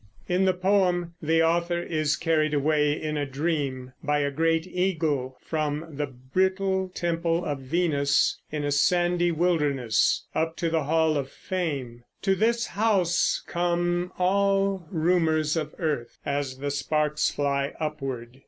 In the poem the author is carried away in a dream by a great eagle from the brittle temple of Venus, in a sandy wilderness, up to the hall of fame. To this house come all rumors of earth, as the sparks fly upward.